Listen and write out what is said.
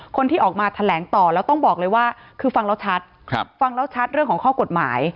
คนที่ออกมาแถลงต่อแล้วต้องบอกเลยว่าคือฟังแล้วชัดฟังแล้วชัดเรื่องของข้อกฎหมาย